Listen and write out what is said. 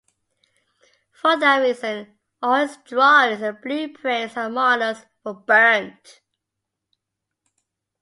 For that reason, all his drawings, blueprints and models were burnt.